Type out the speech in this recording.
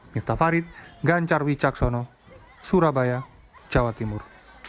miftah farid gan carwi caksono surabaya jawa timur